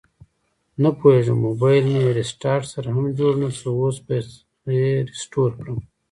نپوهیږم مبایل مې ریسټارټ سره هم جوړ نشو، اوس به یې ریسټور کړم